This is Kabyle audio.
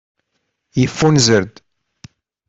Yeffunzer-d.